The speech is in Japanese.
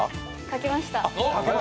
書けました？